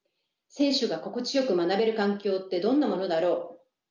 選手が心地よく学べる環境ってどんなものだろう？